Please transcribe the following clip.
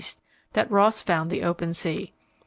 that Ross found the open sea.